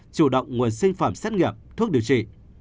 chủ động nguồn sinh phẩm xét nghiệm thuốc điều trị